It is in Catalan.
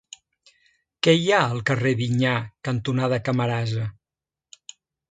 Què hi ha al carrer Vinyar cantonada Camarasa?